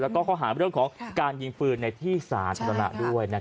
แล้วก็เขาหาเรื่องของการยิงฟืนในที่ศาลดละด้วยนะครับ